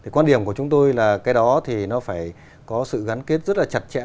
quan điểm của chúng tôi là cái đó thì nó phải có sự gắn kết rất là chặt chẽ